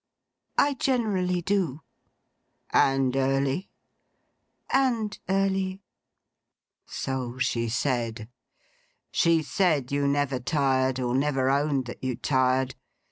'I generally do.' 'And early?' 'And early.' 'So she said. She said you never tired; or never owned that you tired.